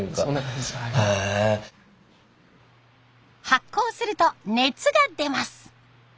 発酵すると熱が出ます。